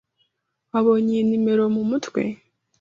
Wabonye iyi numero mu mutwe?